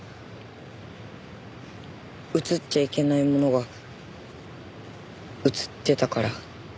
写っちゃいけないものが写ってたから。